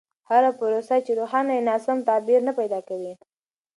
هره پروسه چې روښانه وي، ناسم تعبیر نه پیدا کوي.